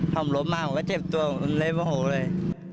ถ้าผมล้มมากผมก็เจ็บตัวเล่ม๖เลย